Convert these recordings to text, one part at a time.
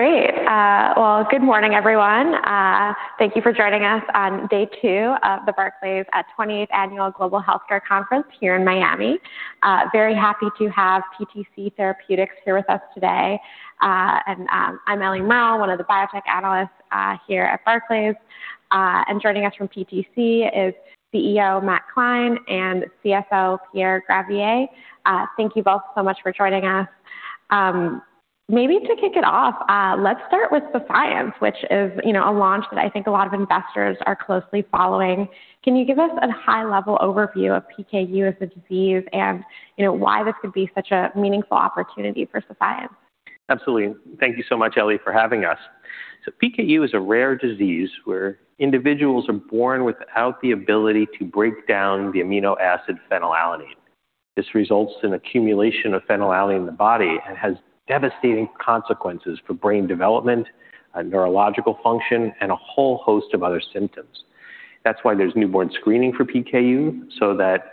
Great. Well, good morning, everyone. Thank you for joining us on day two of the Barclays 20th Annual Global Healthcare Conference here in Miami. Very happy to have PTC Therapeutics here with us today. I'm Andrew Mok, one of the biotech analysts here at Barclays. Joining us from PTC is CEO Matt Klein and CFO Pierre Gravier. Thank you both so much for joining us. Maybe to kick it off, let's start with the science, which is a launch that I think a lot of investors are closely following. Can you give us a high-level overview of PKU as a disease and why this could be such a meaningful opportunity for sepiapterin? Absolutely. Thank you so much, Andrew Mok, for having us. PKU is a rare disease where individuals are born without the ability to break down the amino acid phenylalanine. This results in accumulation of phenylalanine in the body and has devastating consequences for brain development, neurological function, and a whole host of other symptoms. That's why there's newborn screening for PKU so that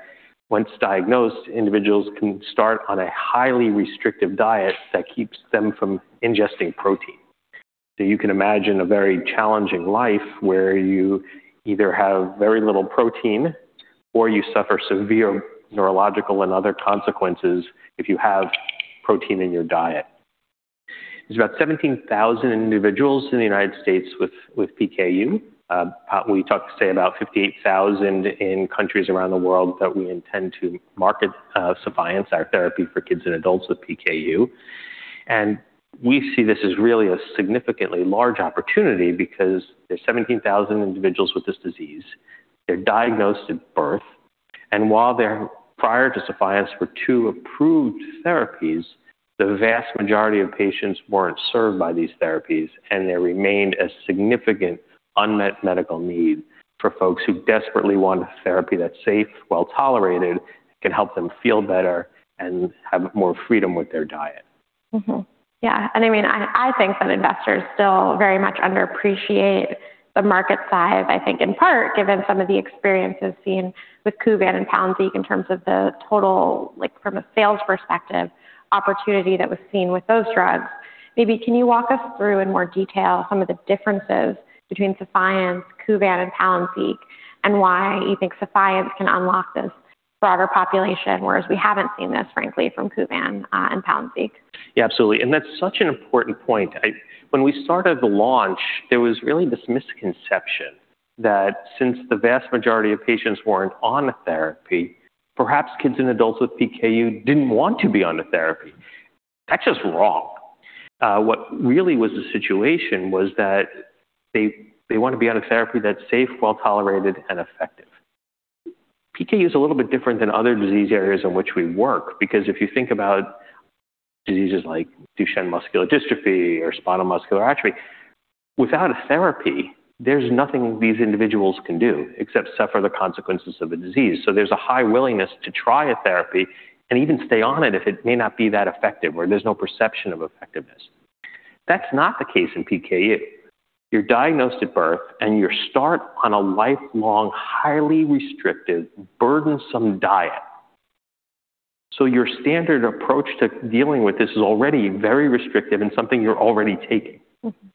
once diagnosed, individuals can start on a highly restrictive diet that keeps them from ingesting protein. You can imagine a very challenging life where you either have very little protein or you suffer severe neurological and other consequences if you have protein in your diet. There's about 17,000 individuals in the United States with PKU. We say about 58,000 in countries around the world that we intend to market sepiapterin, our therapy for kids and adults with PKU. We see this as really a significantly large opportunity because there's 17,000 individuals with this disease. They're diagnosed at birth. While there prior to sepiapterin were two approved therapies, the vast majority of patients weren't served by these therapies, and there remained a significant unmet medical need for folks who desperately want a therapy that's safe, well-tolerated, can help them feel better, and have more freedom with their diet. I think that investors still very much underappreciate the market size. I think in part, given some of the experiences seen with Kuvan and Palynziq in terms of the total, like from a sales perspective, opportunity that was seen with those drugs. Maybe can you walk us through in more detail some of the differences between sepiapterin, Kuvan, and Palynziq, and why you think sepiapterin can unlock this broader population, whereas we haven't seen this, frankly, from Kuvan and Palynziq? Yeah, absolutely, that's such an important point. When we started the launch, there was really this misconception that since the vast majority of patients weren't on a therapy, perhaps kids and adults with PKU didn't want to be on a therapy. That's just wrong. What really was the situation was that they want to be on a therapy that's safe, well-tolerated, and effective. PKU is a little bit different than other disease areas in which we work because if you think about diseases like Duchenne muscular dystrophy or spinal muscular atrophy, without a therapy, there's nothing these individuals can do except suffer the consequences of the disease. There's a high willingness to try a therapy and even stay on it if it may not be that effective or there's no perception of effectiveness. That's not the case in PKU. You're diagnosed at birth, and you start on a lifelong, highly restrictive, burdensome diet. Your standard approach to dealing with this is already very restrictive and something you're already taking. Mm-hmm.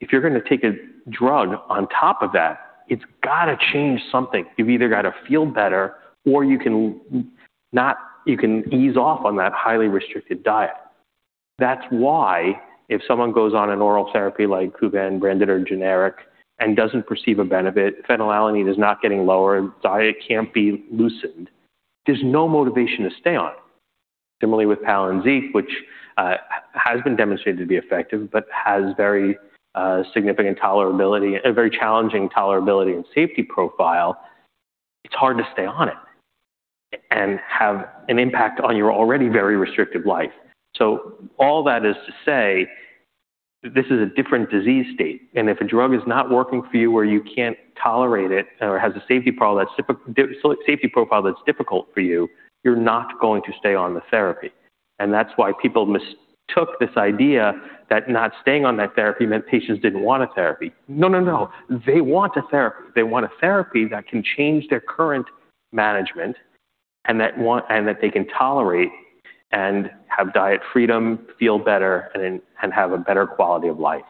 If you're going to take a drug on top of that, it's gotta change something. You've either got to feel better or you can ease off on that highly restricted diet. That's why if someone goes on an oral therapy like Kuvan, branded or generic, and doesn't perceive a benefit, phenylalanine is not getting lower, diet can't be loosened, there's no motivation to stay on it. Similarly with Palynziq, which has been demonstrated to be effective but has very significant tolerability and a very challenging tolerability and safety profile, it's hard to stay on it and have an impact on your already very restrictive life. All that is to say this is a different disease state, and if a drug is not working for you or you can't tolerate it or has a safety profile that's difficult for you're not going to stay on the therapy. That's why people mistook this idea that not staying on that therapy meant patients didn't want a therapy. No, no. They want a therapy. They want a therapy that can change their current management and that they can tolerate and have diet freedom, feel better, and have a better quality of life.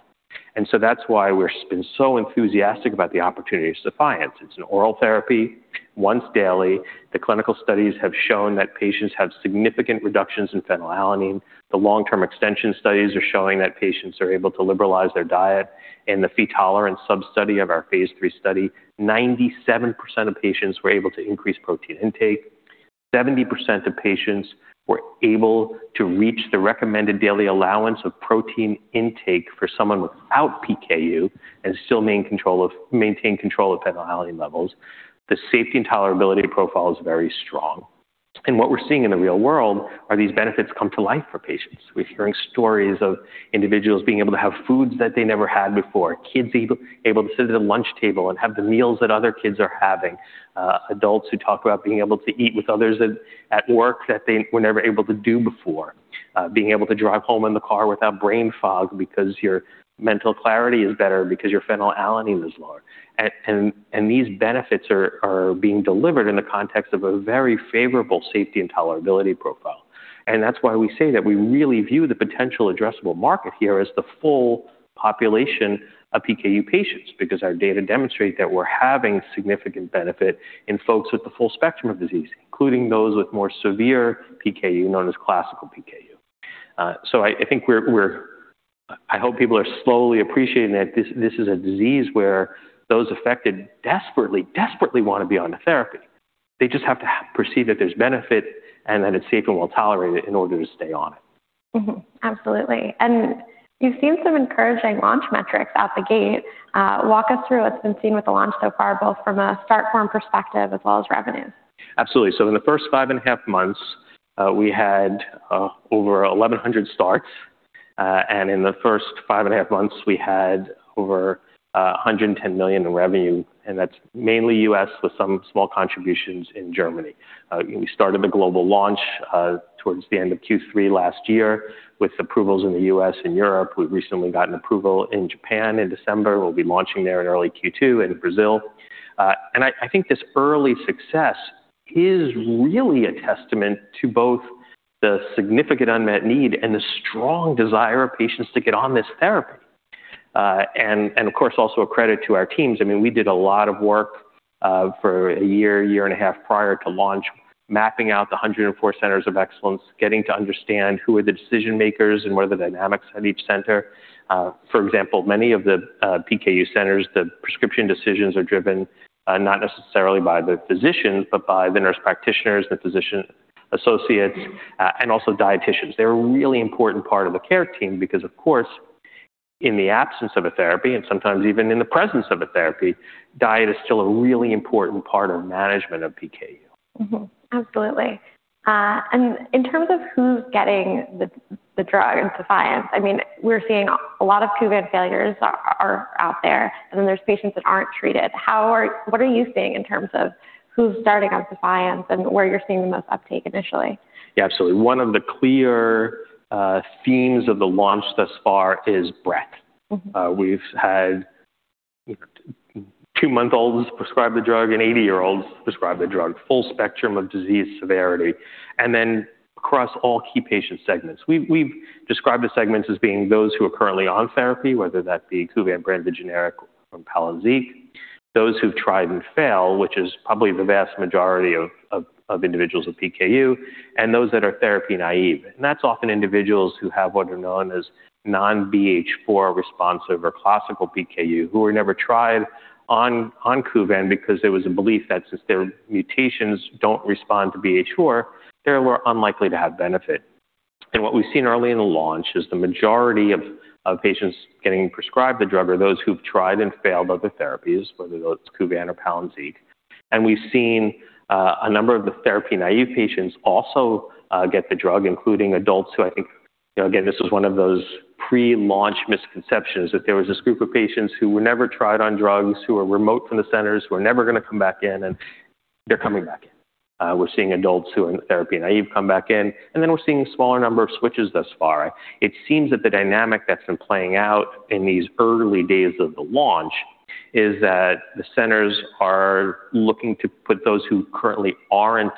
That's why we've been so enthusiastic about the opportunity of sepiapterin. It's an oral therapy, once daily. The clinical studies have shown that patients have significant reductions in phenylalanine. The long-term extension studies are showing that patients are able to liberalize their diet. In the Phe-tolerance sub-study of our phase III study, 97% of patients were able to increase protein intake. 70% of patients were able to reach the recommended daily allowance of protein intake for someone without PKU and still maintain control of phenylalanine levels. The safety and tolerability profile is very strong. What we're seeing in the real world are these benefits come to life for patients. We're hearing stories of individuals being able to have foods that they never had before. Kids able to sit at a lunch table and have the meals that other kids are having. Adults who talk about being able to eat with others at work that they were never able to do before. Being able to drive home in the car without brain fog because your mental clarity is better because your phenylalanine is lower. These benefits are being delivered in the context of a very favorable safety and tolerability profile. That's why we say that we really view the potential addressable market here as the full population of PKU patients because our data demonstrate that we're having significant benefit in folks with the full spectrum of disease, including those with more severe PKU, known as classic PKU. I hope people are slowly appreciating that this is a disease where those affected desperately want to be on a therapy. They just have to perceive that there's benefit and that it's safe and well-tolerated in order to stay on it. Mm-hmm. Absolutely. You've seen some encouraging launch metrics out the gate. Walk us through what's been seen with the launch so far, both from a start form perspective as well as revenue. Absolutely. In the first five and a half months, we had over 1,100 starts. In the first five and a half months, we had over $110 million in revenue, and that's mainly U.S. with some small contributions in Germany. We started the global launch towards the end of Q3 last year with approvals in the U.S. and Europe. We've recently gotten approval in Japan in December. We'll be launching there in early Q2 and Brazil. I think this early success is really a testament to both the significant unmet need and the strong desire of patients to get on this therapy. Of course, also a credit to our teams. I mean, we did a lot of work for a year and a half prior to launch, mapping out the 104 centers of excellence, getting to understand who are the decision-makers and what are the dynamics at each center. For example, many of the PKU centers, the prescription decisions are driven not necessarily by the physicians, but by the nurse practitioners, the physician associates, and also dieticians. They're a really important part of the care team because, of course, in the absence of a therapy, and sometimes even in the presence of a therapy, diet is still a really important part of management of PKU. Absolutely. In terms of who's getting the drug, Sepiapterin, I mean, we're seeing a lot of Kuvan failures are out there, and then there's patients that aren't treated. What are you seeing in terms of who's starting on sepiapterin and where you're seeing the most uptake initially? Yeah, absolutely. One of the clear themes of the launch thus far is breadth. Mm-hmm. We've had 2-month-olds prescribed the drug and 80-year-olds prescribed the drug, full spectrum of disease severity, and then across all key patient segments. We've described the segments as being those who are currently on therapy, whether that be Kuvan brand, the generic from Palynziq, those who've tried and failed, which is probably the vast majority of individuals with PKU, and those that are therapy naive. That's often individuals who have what are known as non-BH4 responsive or classic PKU who were never tried on Kuvan because there was a belief that since their mutations don't respond to BH4, they were unlikely to have benefit. What we've seen early in the launch is the majority of patients getting prescribed the drug are those who've tried and failed other therapies, whether that's Kuvan or Palynziq. We've seen a number of the therapy-naive patients also get the drug, including adults who I think again, this was one of those pre-launch misconceptions, that there was this group of patients who were never tried on drugs, who are remote from the centers, who are never going to come back in, and they're coming back in. We're seeing adults who are therapy naive come back in, and then we're seeing a smaller number of switches thus far. It seems that the dynamic that's been playing out in these early days of the launch is that the centers are looking to put those who currently aren't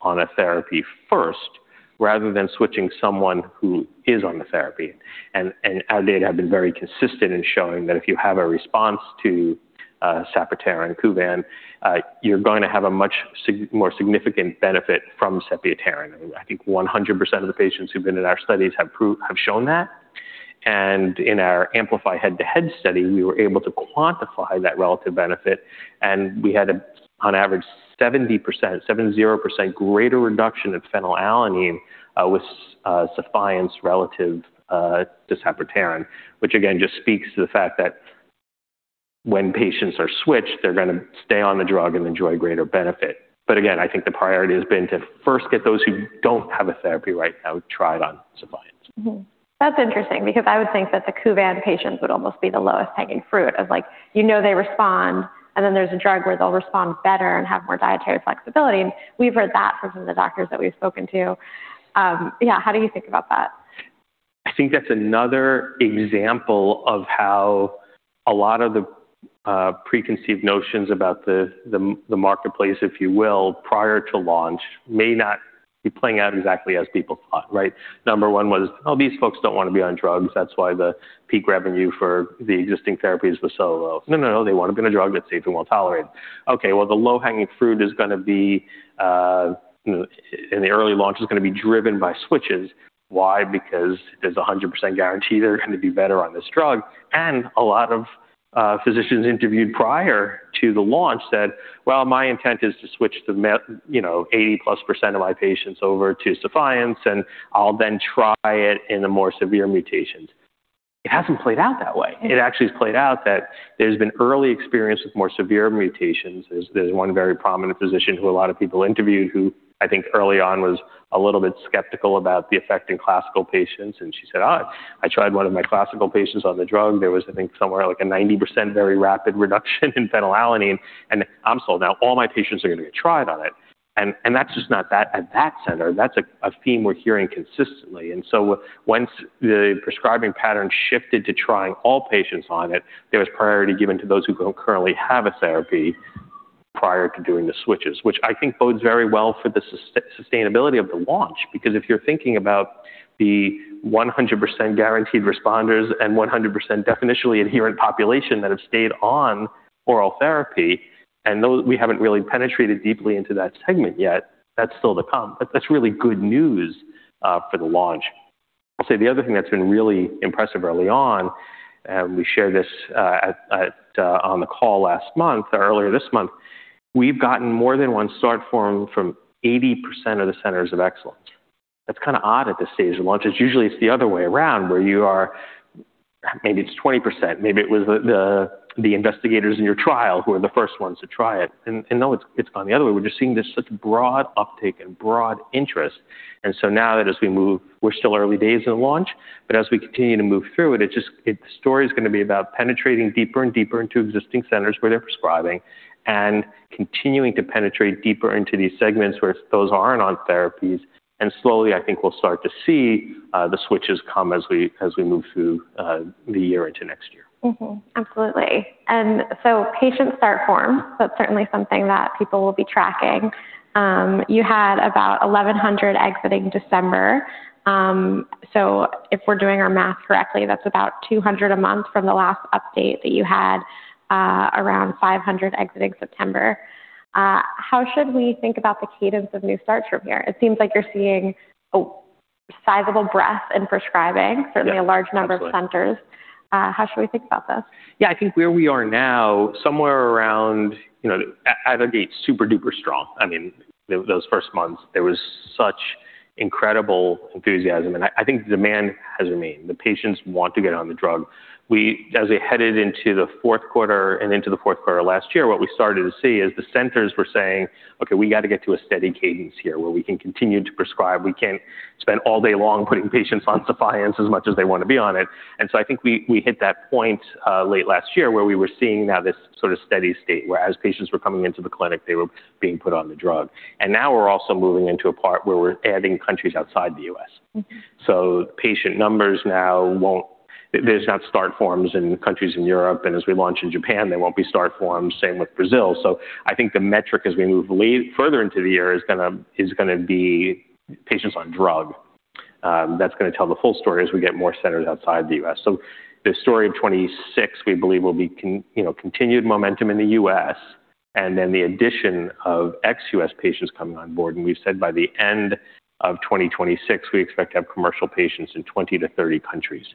on a therapy first rather than switching someone who is on the therapy. Our data have been very consistent in showing that if you have a response to sapropterin Kuvan, you're going to have a much more significant benefit from sepiapterin. I think 100% of the patients who've been in our studies have shown that. In our AMPLIFY head-to-head study, we were able to quantify that relative benefit, and we had, on average, 70%, greater reduction of phenylalanine with sepiapterin relative to sapropterin, which again just speaks to the fact that when patients are switched, they're going to stay on the drug and enjoy greater benefit. But again, I think the priority has been to first get those who don't have a therapy right now tried on sepiapterin. That's interesting because I would think that the Kuvan patients would almost be the lowest hanging fruit of, like, you know they respond, and then there's a drug where they'll respond better and have more dietary flexibility. We've heard that from some of the doctors that we've spoken to. Yeah, how do you think about that? I think that's another example of how a lot of the preconceived notions about the marketplace, if you will, prior to launch may not be playing out exactly as people thought, right? Number one was, " these folks don't want to be on drugs. That's why the peak revenue for the existing therapies was so low." No, no, they want to be on a drug that's safe and well-tolerated. Okay, well, the low-hanging fruit is going to be in the early launch is going to be driven by switches. Why? Because there's 100% guarantee they're going to be better on this drug, and a lot of physicians interviewed prior to the launch said, "Well, my intent is to switch 80+% of my patients over to sepiapterin, and I'll then try it in the more severe mutations." It hasn't played out that way. It actually has played out that there's been early experience with more severe mutations. There's one very prominent physician who a lot of people interviewed who I think early on was a little bit skeptical about the effect in classical patients, and she said, " I tried one of my classical patients on the drug. There was, I think, somewhere like a 90% very rapid reduction in phenylalanine, and I'm sold now. All my patients are going to get tried on it." That's just not that at that center. That's a theme we're hearing consistently. Once the prescribing pattern shifted to trying all patients on it, there was priority given to those who don't currently have a therapy prior to doing the switches, which I think bodes very well for the sustainability of the launch. Because if you're thinking about the 100% guaranteed responders and 100% definitionally adherent population that have stayed on oral therapy, and those we haven't really penetrated deeply into that segment yet, that's still to come. That's really good news for the launch. I'd say the other thing that's been really impressive early on, and we shared this on the call last month or earlier this month, we've gotten more than one start form from 80% of the centers of excellence. That's kind of odd at this stage of launch. It's usually the other way around where you are 20%. Maybe it was the investigators in your trial who are the first ones to try it. Now it's gone the other way. We're just seeing such broad uptake and broad interest. Now as we move, we're still early days in launch, but as we continue to move through it just. The story is going to be about penetrating deeper and deeper into existing centers where they're prescribing and continuing to penetrate deeper into these segments where those aren't on therapies. Slowly, I think we'll start to see the switches come as we move through the year into next year. Absolutely. Patient start form, that's certainly something that people will be tracking. You had about 1,100 exiting December. If we're doing our math correctly, that's about 200 a month from the last update that you had, around 500 exiting September. How should we think about the cadence of new starts from here? It seems like you're seeing a sizable breadth in prescribing. Yeah. Absolutely. Certainly a large number of centers. How should we think about this? Yeah. I think where we are now, somewhere around out of the gate, super-duper strong. I mean, those first months, there was such incredible enthusiasm. I think the demand has remained. The patients want to get on the drug. As we headed into the fourth quarter last year, what we started to see is the centers were saying, "Okay, we got to get to a steady cadence here where we can continue to prescribe. We can't spend all day long putting patients on sepiapterin as much as they want to be on it." I think we hit that point late last year where we were seeing now this sort of steady state, where, as patients were coming into the clinic, they were being put on the drug. Now we're also moving into a part where we're adding countries outside the U.S. Mm-hmm. Patient numbers now won't. There's not start forms in countries in Europe, and as we launch in Japan, there won't be start forms, same with Brazil. I think the metric as we move further into the year is going to be patients on drug. That's going to tell the full story as we get more centers outside the US. The story of 2026, we believe, will be continued momentum in the US and then the addition of ex-US patients coming on board. We've said by the end of 2026, we expect to have commercial patients in 20-30 countries.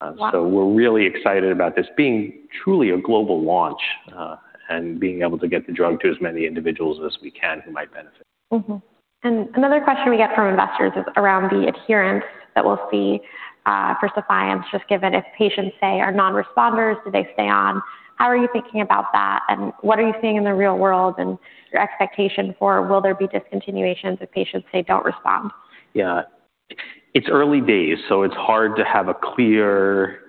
Wow. We're really excited about this being truly a global launch, and being able to get the drug to as many individuals as we can who might benefit. Another question we get from investors is around the adherence that we'll see for sepiapterin, just given if patients, say, are non-responders, do they stay on? How are you thinking about that, and what are you seeing in the real world and your expectation for will there be discontinuations if patients, say, don't respond? Yeah. It's early days, so it's hard to have a clear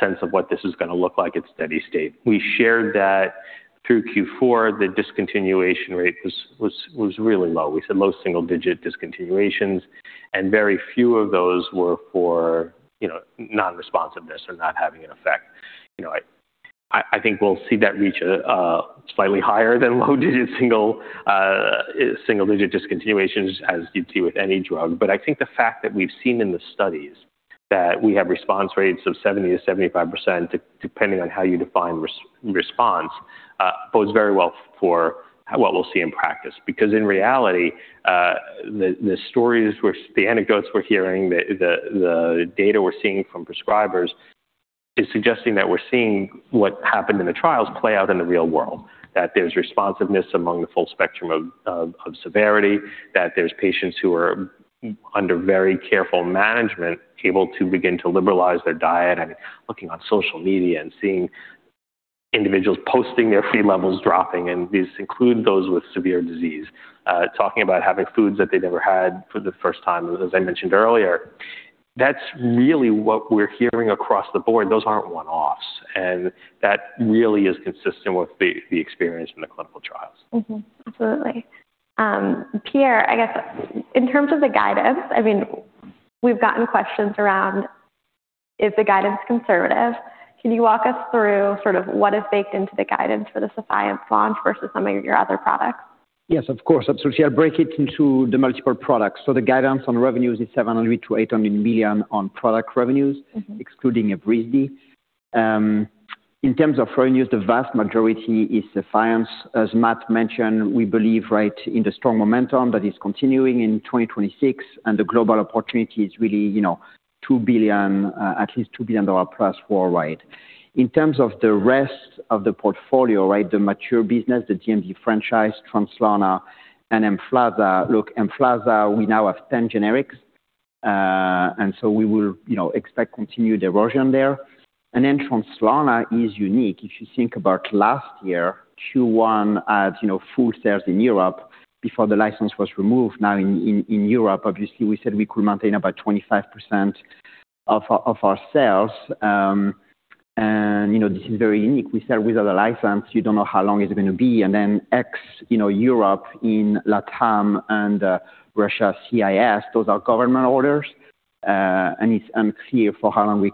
sense of what this is going to look like at steady state. We shared that through Q4, the discontinuation rate was really low. We said low single-digit discontinuations, and very few of those were for non-responsiveness or not having an effect. I think we'll see that reach a slightly higher than low single-digit discontinuations as you'd see with any drug. I think the fact that we've seen in the studies that we have response rates of 70%-75% depending on how you define response bodes very well for what we'll see in practice. Because in reality, the anecdotes we're hearing, the data we're seeing from prescribers is suggesting that we're seeing what happened in the trials play out in the real world, that there's responsiveness among the full spectrum of severity, that there's patients who are under very careful management able to begin to liberalize their diet and looking on social media and seeing individuals posting their Phe levels dropping, and these include those with severe disease, talking about having foods that they never had for the first time, as I mentioned earlier. That's really what we're hearing across the board. Those aren't one-offs, and that really is consistent with the experience in the clinical trials. Absolutely. Pierre, I guess in terms of the guidance, I mean, we've gotten questions around is the guidance conservative? Can you walk us through sort of what is baked into the guidance for the sepiapterin launch versus some of your other products? Yes, of course. Absolutely. I'll break it into the multiple products. The guidance on revenues is $700 million-$800 million on product revenues. Mm-hmm. Excluding Brineura. In terms of revenues, the vast majority is Translarna. As Matt mentioned, we believe, right, in the strong momentum that is continuing in 2026, and the global opportunity is really $2 billion, at least $2 billion plus worldwide. In terms of the rest of the portfolio, right, the mature business, the DMD franchise, Translarna and Emflaza. Look, Emflaza, we now have 10 generics, and so we will expect continued erosion there. Translarna is unique. If you think about last year, Q1 had full sales in Europe before the license was removed. Now in Europe, obviously, we said we could maintain about 25% of our sales. This is very unique. We sell without a license. You don't know how long it's going to be. Europe in LATAM and Russia, CIS, those are government orders, and it's unclear for how long we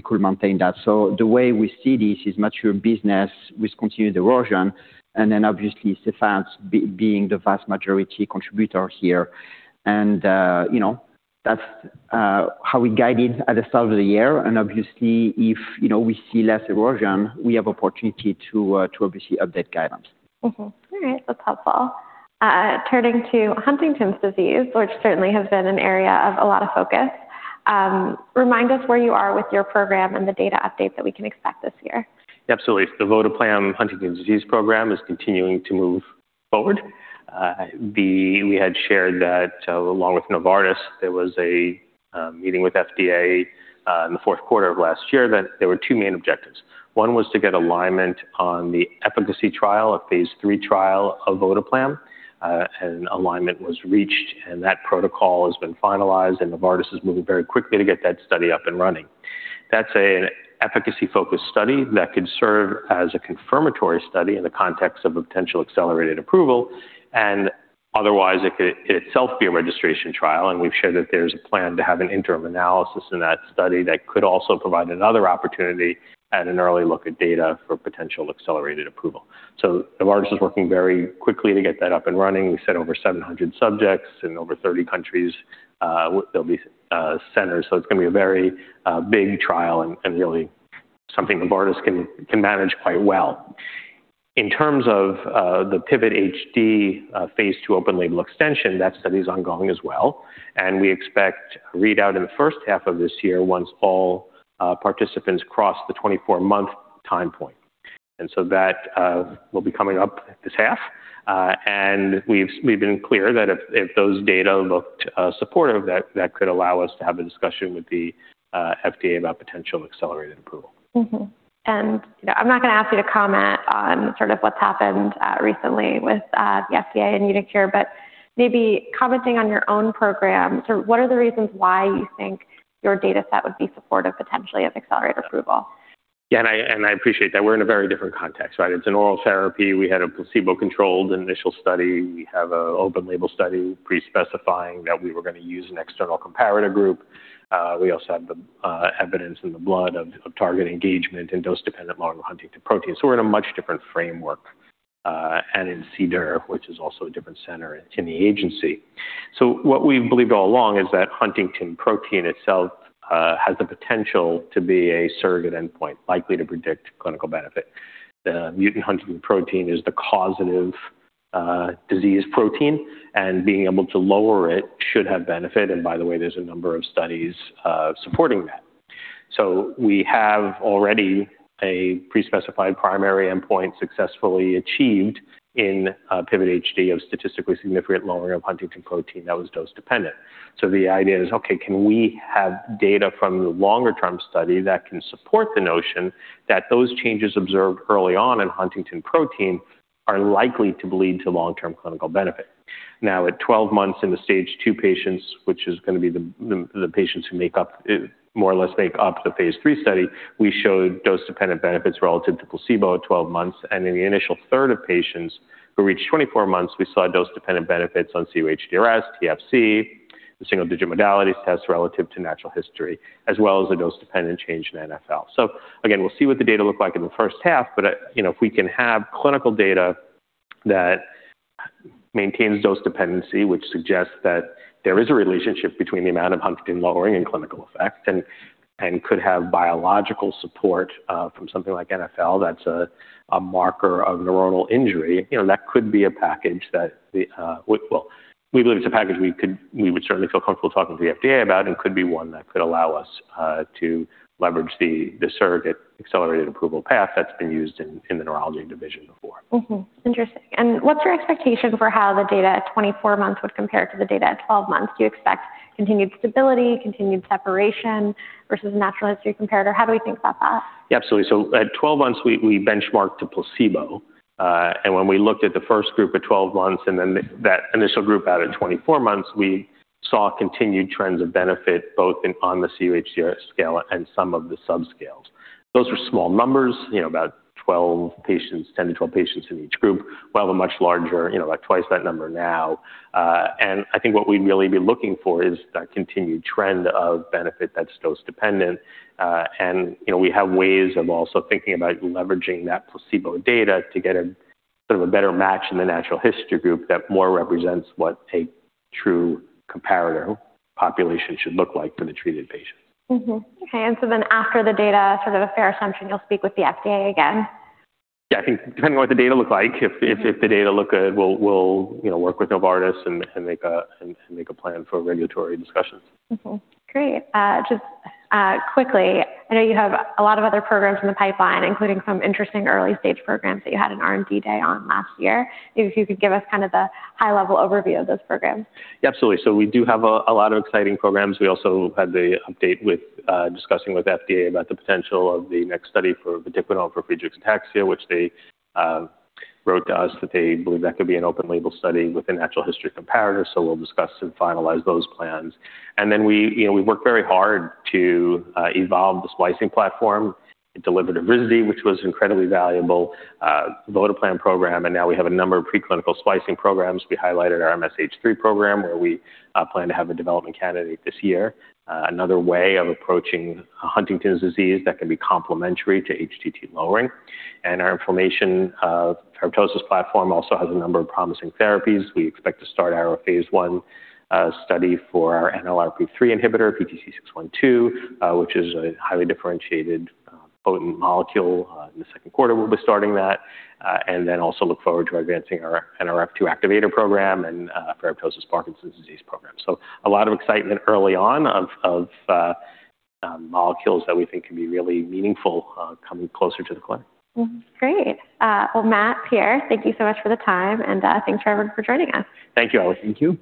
could maintain that. The way we see this is mature business with continued erosion, and then obviously, sepiapterin being the vast majority contributor here. That's how we guided at the start of the year. Obviously, if we see less erosion, we have opportunity to obviously update guidance. Mm-hmm. All right. That's helpful. Turning to Huntington's disease, which certainly has been an area of a lot of focus, remind us where you are with your program and the data update that we can expect this year. Absolutely. The votoplam Huntington's disease program is continuing to move forward. We had shared that, along with Novartis, there was a meeting with FDA in the fourth quarter of last year that there were two main objectives. One was to get alignment on the efficacy trial, a phase III trial of votoplam, and alignment was reached, and that protocol has been finalized, and Novartis is moving very quickly to get that study up and running. That's an efficacy-focused study that could serve as a confirmatory study in the context of a potential accelerated approval, and otherwise it could in itself be a registration trial. We've shared that there's a plan to have an interim analysis in that study that could also provide another opportunity at an early look at data for potential accelerated approval. Novartis is working very quickly to get that up and running. We said over 700 subjects in over 30 countries, there'll be centers. It's going to be a very big trial and really something Novartis can manage quite well. In terms of the PIVOT-HD phase II open label extension, that study is ongoing as well, and we expect a readout in the first half of this year once all participants cross the 24-month time point. That will be coming up this half. We've been clear that if those data looked supportive, that could allow us to have a discussion with the FDA about potential accelerated approval. Mm-hmm. I'm not going to ask you to comment on sort of what's happened recently with the FDA and uniQure, but maybe commenting on your own program, sort of what are the reasons why you think your data set would be supportive potentially of accelerated approval? Yeah. I appreciate that. We're in a very different context, right? It's an oral therapy. We had a placebo-controlled initial study. We have an open label study pre-specifying that we were going to use an external comparator group. We also have the evidence in the blood of target engagement and dose-dependent model of huntingtin protein. We're in a much different framework and in CDER, which is also a different center in the agency. What we've believed all along is that huntingtin protein itself has the potential to be a surrogate endpoint likely to predict clinical benefit. The mutant huntingtin protein is the causative disease protein, and being able to lower it should have benefit. By the way, there's a number of studies supporting that. We have already a pre-specified primary endpoint successfully achieved in PIVOT-HD of statistically significant lowering of huntingtin protein that was dose-dependent. The idea is, okay, can we have data from the longer term study that can support the notion that those changes observed early on in huntingtin protein are likely to lead to long-term clinical benefit? Now, at 12 months in the stage 2 patients, which is going to be the patients who more or less make up the phase III study, we showed dose-dependent benefits relative to placebo at 12 months. In the initial third of patients who reached 24 months, we saw dose-dependent benefits on cUHDRS, TFC, the Symbol Digit Modalities Test relative to natural history, as well as a dose-dependent change in NfL. Again, we'll see what the data look like in the first half. if we can have clinical data that maintains dose dependency, which suggests that there is a relationship between the amount of huntingtin lowering and clinical effect and could have biological support from something like NfL, that's a marker of neuronal injury. that could be a package. Well, we believe it's a package we would certainly feel comfortable talking to the FDA about and could be one that could allow us to leverage the surrogate accelerated approval path that's been used in the neurology division before. Mm-hmm. Interesting. What's your expectation for how the data at 24 months would compare to the data at 12 months? Do you expect continued stability, continued separation versus natural history comparator? How do we think about that? Yeah, absolutely. At 12 months, we benchmarked to placebo. When we looked at the first group at 12 months and then that initial group out at 24 months, we saw continued trends of benefit both in on the cUHDRS scale and some of the subscales. Those were small numbers about 12 patients, 10-12 patients in each group. We'll have a much larger like twice that number now. I think what we'd really be looking for is that continued trend of benefit that's dose-dependent. we have ways of also thinking about leveraging that placebo data to get sort of a better match in the natural history group that more represents what a true comparator population should look like for the treated patients. After the data, sort of a fair assumption, you'll speak with the FDA again? Yeah. I think depending what the data look like. If the data look good, we'll you know work with Novartis and make a plan for regulatory discussions. Great. Just quickly, I know you have a lot of other programs in the pipeline, including some interesting early-stage programs that you had an R&D day on last year. If you could give us kind of the high-level overview of those programs? Yeah, absolutely. We do have a lot of exciting programs. We also had the update with discussing with FDA about the potential of the next study for Vatiquinone for Friedreich's ataxia, which they wrote to us that they believe that could be an open label study with a natural history comparator. We'll discuss and finalize those plans. we work very hard to evolve the splicing platform. It delivered Risdiplam, which was incredibly valuable, votoplam program, and now we have a number of preclinical splicing programs. We highlighted our MSH3 program, where we plan to have a development candidate this year. Another way of approaching Huntington's disease that can be complementary to HTT lowering. Our inflammation ferroptosis platform also has a number of promising therapies. We expect to start our phase I study for our NLRP3 inhibitor, PTC612, which is a highly differentiated potent molecule. In the Q2, we'll be starting that. Also look forward to advancing our NRF2 activator program and ferroptosis Parkinson's disease program. A lot of excitement early on of molecules that we think can be really meaningful coming closer to the clinic. Great. Well, Matt, Pierre, thank you so much for the time, and thanks Trevor for joining us. Thank you, Andrew Mok. Thank you.